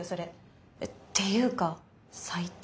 えっていうか最低。